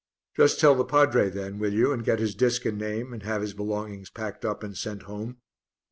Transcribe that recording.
"Just tell the padre then, will you, and get his disc and name and have his belongings packed up and sent home."